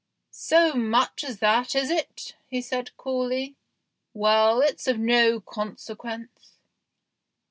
" So much as that, is it ?" he said coolly. " Well, it's of no consequence."